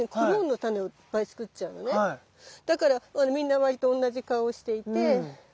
まあ要するにだからみんな割と同じ顔をしていて。